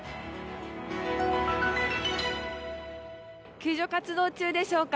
救助活動中でしょうか。